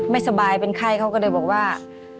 ไม่สบายเป็นไข้เขาก็เลยบอกว่า